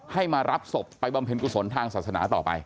มารับศพไปบำเพ็ญกุศลทางศาสนาต่อไป